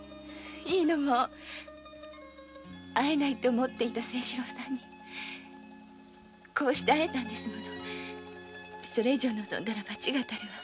いいのもう会えないと思ってた精四郎さんにこうして会えたんですものこれ以上望んだら罰が当たるわ。